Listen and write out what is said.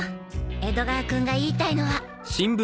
江戸川君が言いたいのは。